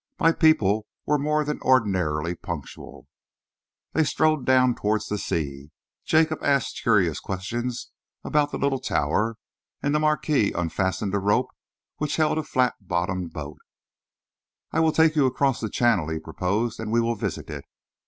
My people were more than ordinarily punctual." They strolled down towards the sea. Jacob asked curious questions about the little tower, and the Marquis unfastened a rope which held a flat bottomed boat. "I will take you across the channel," he proposed, "and we will visit it.